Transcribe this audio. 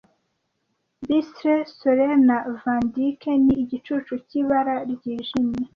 Bistre, Sorrel na Vandyke ni igicucu cyibara ryijimye